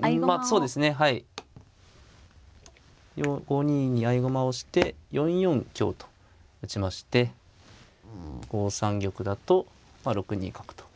５二に合駒をして４四香と打ちまして５三玉だと６二角と打てますね。